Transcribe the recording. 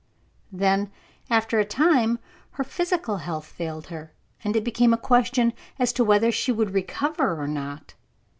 Then, after a time, her physical health failed her, and it became a question as to whether she would recover or not.